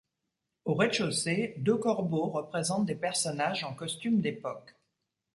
Au rez-de-chaussée deux corbeaux représentent des personnages en costume d'époque.